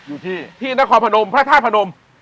อยู่ที่ที่นครพนมพระธาตุพนม